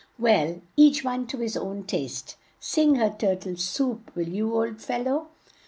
Well, each one to his own taste. Sing her 'Tur tle Soup,' will you, old fel low?"